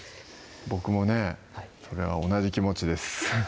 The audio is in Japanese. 僕もねそれは同じ気持ちです